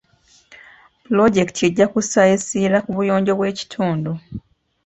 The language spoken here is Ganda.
Pulojekiti ejja kussa essira ku buyonjo bw'ekitundu.